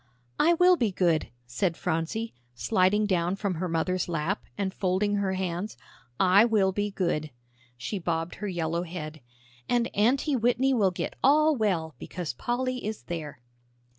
"I will be good," said Phronsie, sliding down from her mother's lap, and folding her hands. "I will be good." She bobbed her yellow head. "And Aunty Whitney will get all well, because Polly is there."